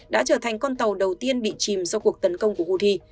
đã trở thành con tàu đầu tiên bị chìm do cuộc tấn công của houthi